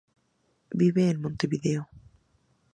Vive en Montevideo.